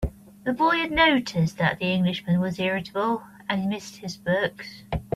The boy had noticed that the Englishman was irritable, and missed his books.